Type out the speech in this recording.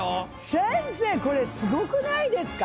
先生これすごくないですか？